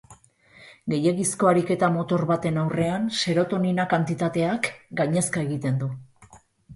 Gehiegizko ariketa motor baten aurrean serotonina kantitateak gainezka egiten du.